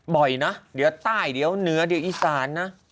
บ่อยนะเดี๋ยวใต้เดี๋ยวเหนือเดี๋ยวอีสานนะ